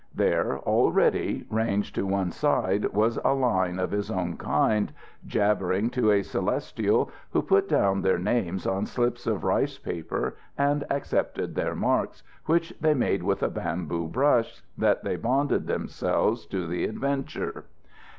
There, already, ranged to one side was a line of his own kind, jabbering to a Celestial who put down their names on slips of rice paper and accepted their marks, which they made with a bamboo brush, that they bonded themselves to the adventure.